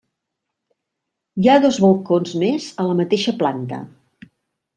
Hi ha dos balcons més a la mateixa planta.